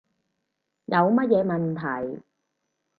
有乜嘢問題